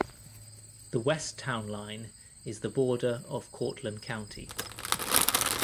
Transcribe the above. The west town line is the border of Cortland County.